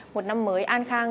một năm mới an khang